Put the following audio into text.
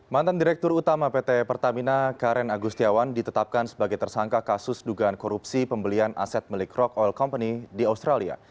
mantan direktur utama pt pertamina karen agustiawan ditetapkan sebagai tersangka kasus dugaan korupsi pembelian aset milik rock oil company di australia